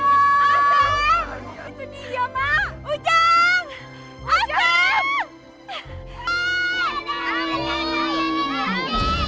wah betul lagi udah sampai pantai